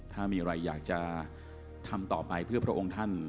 ถ้ามีอะไรอยากจะทำต่อไปเพื่อพระองค์ท่าน